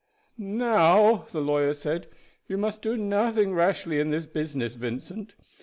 "Now," the lawyer said, "you must do nothing rashly in this business, Vincent.